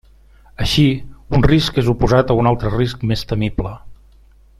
Així, un risc és oposat a un altre risc més temible.